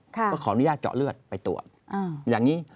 ก็ขออนุญาตเจาะเลือดไปตรวจอย่างนี้